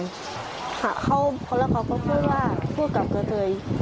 แล้วเขาก็พูดว่าพูดกับเกอร์เทย